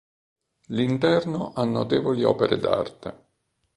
L'interno ha notevoli opere d'arte.